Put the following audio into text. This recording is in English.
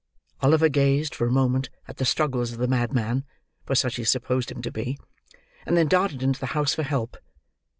Oliver gazed, for a moment, at the struggles of the madman (for such he supposed him to be); and then darted into the house for help.